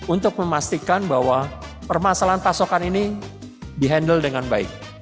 untuk memastikan bahwa permasalahan pasokan ini di handle dengan baik